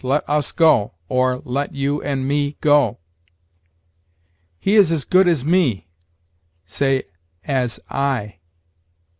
let us go, or, let you and me go. "He is as good as me": say, as I.